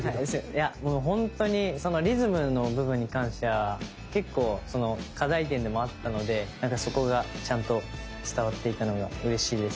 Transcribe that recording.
いやもうほんとにそのリズムの部分に関しては結構その課題点でもあったのでそこがちゃんと伝わっていたのがうれしいです。